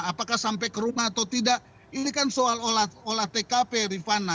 apakah sampai ke rumah atau tidak ini kan soal olah tkp rifana